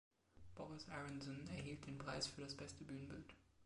Boris Aronson erhielt den Preis für das beste Bühnenbild.